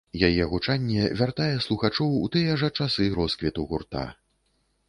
Яе гучанне вяртае слухачоў у тыя жа часы росквіту гурта.